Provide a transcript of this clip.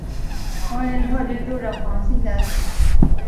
宏琳厝居住着黄姓家族。